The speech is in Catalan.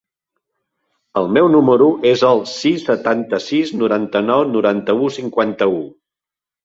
El meu número es el sis, setanta-sis, noranta-nou, noranta-u, cinquanta-u.